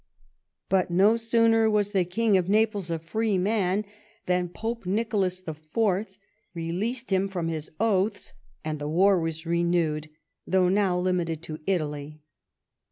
But no sooner was the King of Naples a free man than Pope Nicolas IV. released him from his oaths, and the war was renewed, tlioiigh now limited to Italy.